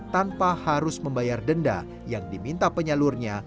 tanpa harus membayar denda yang diminta penyalurnya